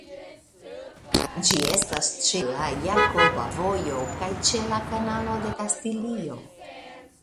Ĝi estas ĉe la Jakoba Vojo kaj ĉe la Kanalo de Kastilio.